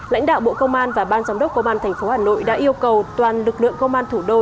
lãnh đạo bộ công an và ban giám đốc công an tp hà nội đã yêu cầu toàn lực lượng công an thủ đô